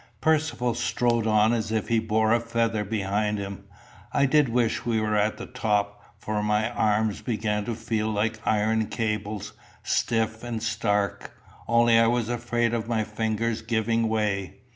Percivale strode on as if he bore a feather behind him. I did wish we were at the top, for my arms began to feel like iron cables, stiff and stark only I was afraid of my fingers giving way.